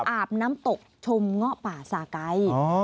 อาบน้ำตกชมเงาะป่าสาไก่